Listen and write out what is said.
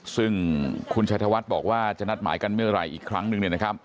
ซึ่งคุณชัยธวัฒน์บอกว่าจะนัดหมายกันเมื่อไหร่อีกครั้งหนึ่ง